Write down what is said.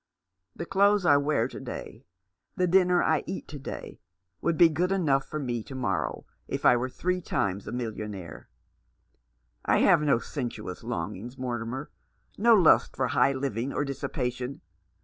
The clothes I wear to day, the dinner I eat to day, would be good enough for me to morrow if I were three times a million aire. I have no sensuous longings, Mortimer ; no lust for high living or dissipation.